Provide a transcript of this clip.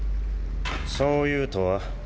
「そういう」とは？